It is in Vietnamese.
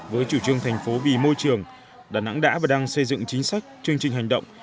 với chủ trương thành phố vì môi trường đà nẵng đã và đang xây dựng chính sách chương trình hành động